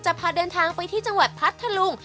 พาเดินทางไปที่จังหวัดพัทธลุง